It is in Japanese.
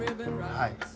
はい。